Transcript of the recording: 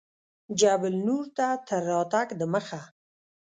جبل النور ته تر راتګ دمخه.